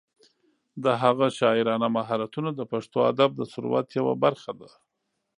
د هغه شاعرانه مهارتونه د پښتو ادب د ثروت یوه برخه ده.